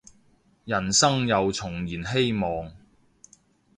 人生又重燃希望